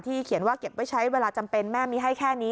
เขียนว่าเก็บไว้ใช้เวลาจำเป็นแม่มีให้แค่นี้